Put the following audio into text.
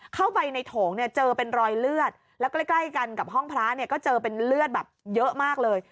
เข้าไปในโถงเนี่ยเจอเป็นรอยเลือดแล้วใกล้กันกับห้องพระเนี่ยก็เจอเป็นเลือดแบบเยอะมากเลย